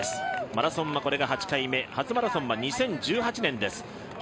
マラソンがこれで８回目初マラソンは２０１８年です。